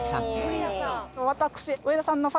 私上田さんの。